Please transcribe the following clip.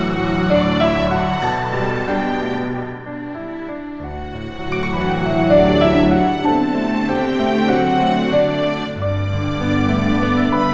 membuat tema tersetuh